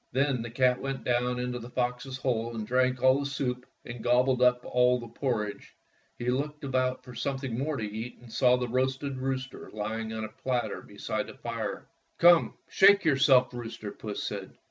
Then the cat went down into the fox's hole and drank all the soup and gobbled up all the porridge. He looked about for some thing more to eat and saw the roasted rooster lying on a platter beside the fire. Fairy Tale Foxes 185 "Come, shake yourself, rooster," Puss said.